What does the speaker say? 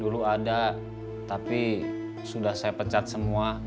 dulu ada tapi sudah saya pencat semua